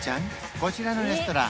こちらのレストラン